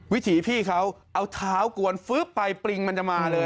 วิถีพี่เขาเอาเท้ากวนฟึ๊บไปปริงมันจะมาเลย